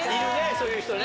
そういう人ね。